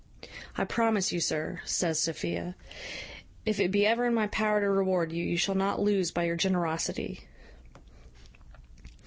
"I promise you, sir," says Sophia, "if it be ever in my power to reward you, you shall not lose by your generosity."